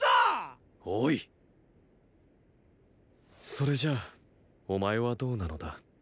それじゃあお前はどうなのだ。